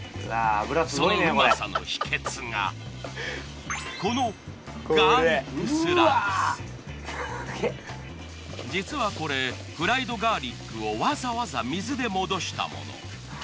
そのうまさの秘訣がこの実はこれフライドガーリックをわざわざ水で戻したもの。